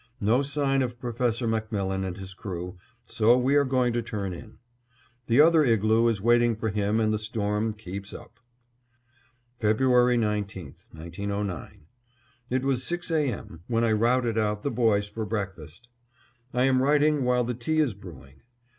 No sign of Professor MacMillan and his crew, so we are going to turn in. The other igloo is waiting for him and the storm keeps up. February 19, 1909: It was six A. M. when I routed out the boys for breakfast. I am writing while the tea is brewing.